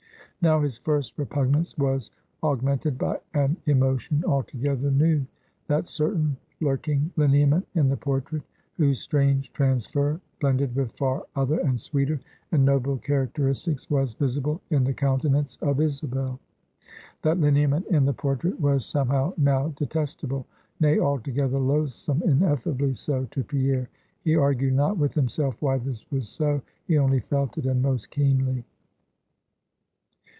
Now his first repugnance was augmented by an emotion altogether new. That certain lurking lineament in the portrait, whose strange transfer blended with far other, and sweeter, and nobler characteristics, was visible in the countenance of Isabel; that lineament in the portrait was somehow now detestable; nay, altogether loathsome, ineffably so, to Pierre. He argued not with himself why this was so; he only felt it, and most keenly.